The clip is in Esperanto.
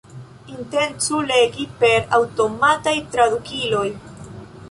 Intencu legi per aŭtomataj tradukiloj.